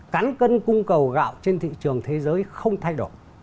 cán cân cung cầu gạo trên thị trường thế giới không thay đổi